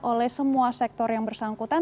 oleh semua sektor yang bersangkutan